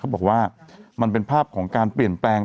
บอกว่ามันเป็นภาพของการเปลี่ยนแปลง